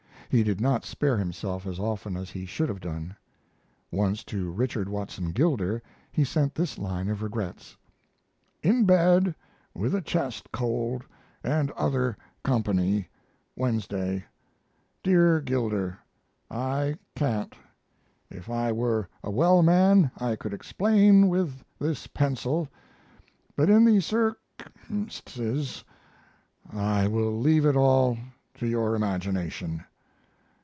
He did not spare himself as often as he should have done. Once to Richard Watson Gilder he sent this line of regrets: In bed with a chest cold and other company Wednesday. DEAR GILDER, I can't. If I were a well man I could explain with this pencil, but in the cir ces I will leave it all to your imagination.